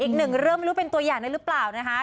เอี๊ะหนึ่งเริ่มรู้เป็นตัวอย่างได้รึเปล่านะคะ